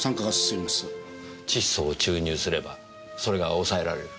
窒素を注入すればそれが抑えられる。